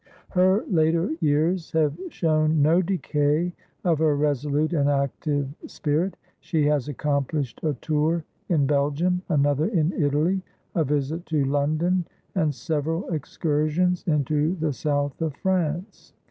Her later years have shown no decay of her resolute and active spirit. She has accomplished a tour in Belgium, another in Italy, a visit to London, and several excursions into the South of France.